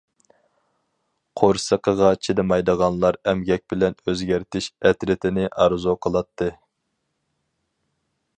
قورسىقىغا چىدىمايدىغانلار ئەمگەك بىلەن ئۆزگەرتىش ئەترىتىنى ئارزۇ قىلاتتى.